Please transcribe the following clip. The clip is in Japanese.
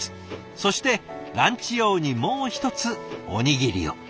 そしてランチ用にもう１つおにぎりを。